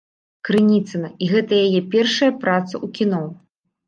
Крыніцына, і гэта яе першая праца ў кіно.